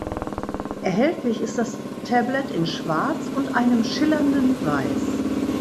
Erhältlich ist das Tablet in Schwarz und einem schillernden Weiß.